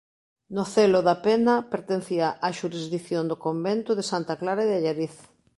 Nocelo da Pena pertencía á xurisdición do convento de Santa Clara de Allariz.